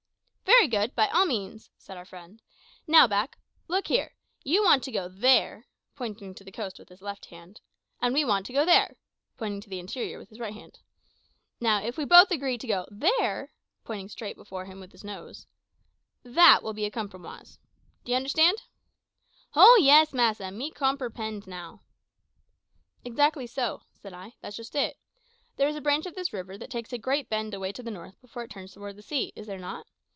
"Very good, by all means," said our friend. "Now, Mak, look here. You want to go there" (pointing to the coast with his left hand), "and we want to go there" (pointing to the interior with his right hand). "Now if we both agree to go there," (pointing straight before him with his nose), "that will be a cumprumoise. D'ye understand?" "Ho yis, massa, me compiperhend now." "Exactly so," said I; "that's just it. There is a branch of this river that takes a great bend away to the north before it turns towards the sea, is there not?